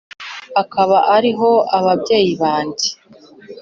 Akaba ari ho ababyeyi banjye